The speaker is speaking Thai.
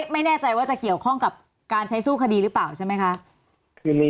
ไม่แน่ใจว่าจะเกี่ยวข้องกับการใช้สู้คดีหรือเปล่าใช่ไหมคะ